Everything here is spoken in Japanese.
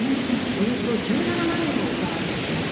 およそ１７万円を奪われました。